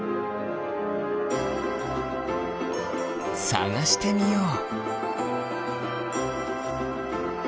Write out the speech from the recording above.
さがしてみよう！